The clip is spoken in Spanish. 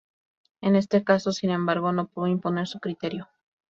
En este caso, sin embargo, no pudo imponer su criterio.